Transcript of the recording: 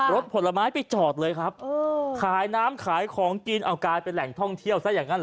ผลไม้ไปจอดเลยครับขายน้ำขายของกินเอากลายเป็นแหล่งท่องเที่ยวซะอย่างนั้นเห